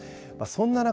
そんな中、